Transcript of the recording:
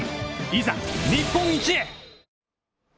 いざ日本一へ。